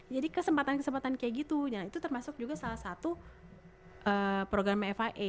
jadi kesempatan kesempatan kayak gitu ya itu termasuk juga salah satu program fia